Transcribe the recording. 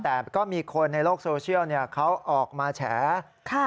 แต่ก็มีคนในโลกโซเชียลเขาออกมาแฉ